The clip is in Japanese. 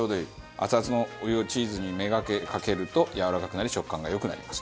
アツアツのお湯をチーズに目掛けかけるとやわらかくなり食感が良くなります。